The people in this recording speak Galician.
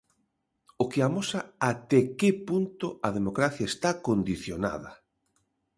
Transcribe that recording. O que amosa até que punto a democracia está condicionada.